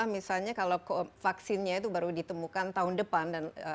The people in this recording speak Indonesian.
misalnya kalau vaksinnya itu baru ditemukan tahun depan